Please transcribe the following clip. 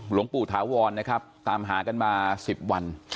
หลงปู่ถวตามหากันมา๑๐วัน